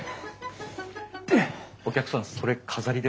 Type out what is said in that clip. お客さんそれ飾りです。